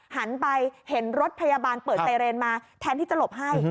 หันไปเห็นรถพยาบาลเปิดไซเรนมาแทนที่จะหลบให้